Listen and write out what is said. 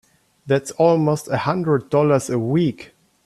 That's almost a hundred dollars a week!